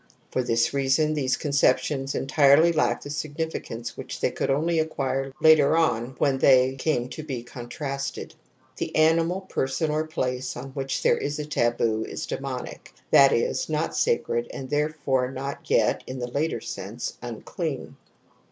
For this reason these conceptions entirely lack the significance which they could only acquire later on when they came to be con tra sted. The animal, person or place on which there is a taboo is demonic, that is, not sacred, jgind therefore n ot yet, in the later sense, unclean.